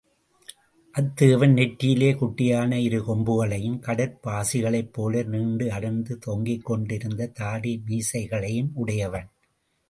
அத்தேவன் நெற்றியிலே குட்டையான இரு கொம்புகளையும், கடற் பாசிகளைப் போல் நீண்டு அடர்ந்து தொங்கிக்கொண்டிருந்த தாடி, மீசைகளையும் உடையவன்.